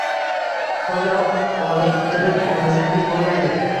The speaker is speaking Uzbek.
Hoziroq orttirib olmasangiz bo’lmaydi